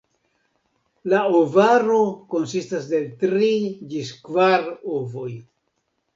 La ovaro konsistas el tri ĝis kvar ovoj.